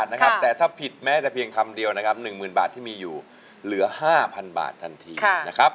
นี่ใจเป็นค่ะพี่่อยใจเป็นค่ะ